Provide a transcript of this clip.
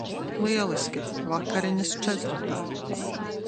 Lieliski. Vakariņas četratā.